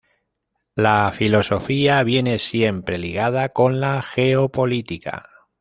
La filosofía viene siempre ligada con la geopolítica.